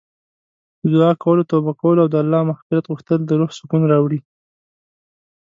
د دعا کولو، توبه کولو او د الله مغفرت غوښتل د روح سکون راوړي.